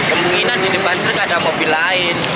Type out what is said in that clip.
kemungkinan di depan truk ada mobil lain